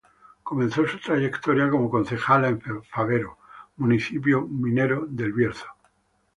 Comenzó su trayectoria como concejala en Fabero, municipio minero del Bierzo.